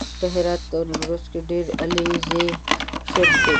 په هرات او نیمروز کې هم ډېر علیزي ژوند کوي